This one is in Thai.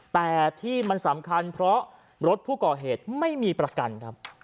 แต่ที่มันสำคัญเพราะรถผู้ก่อเหตุไม่มีประกันครับ